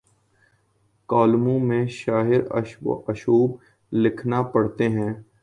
کالموں میں شہر آشوب لکھنا پڑتے ہیں۔